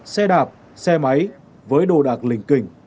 xe đạp xe máy với đồ đạc lình kình